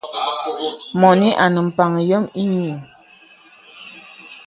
Mɔnì anə mpaŋ yòm ìyiŋ.